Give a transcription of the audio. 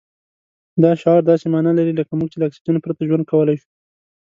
دا شعار داسې مانا لري لکه موږ چې له اکسجن پرته ژوند کولای شو.